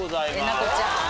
えなこちゃん。